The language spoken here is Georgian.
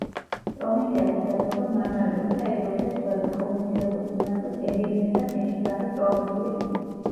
პროვინციას ესაზღვრება მარმარილოს და ეგეოსის ზღვები, ხოლო მის ევროპულ ნაწილს ედირნეს და თექირდაღის პროვინციები.